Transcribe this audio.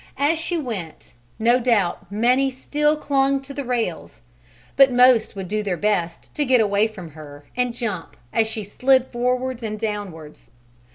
As she went, no doubt many still clung to the rails, but most would do their best to get away from her and jump as she slid forwards and downwards.